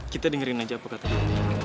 kita dengerin aja apa kata dia